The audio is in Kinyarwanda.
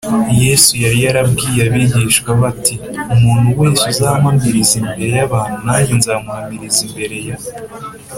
yesu yari yarabwiye abigishwa be ati, “umuntu wese uzampamiriza imbere y’abantu, nanjye nzamuhamiriza imbere ya data uri mu ijuru”